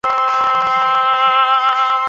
主要经营保安数据探测业务。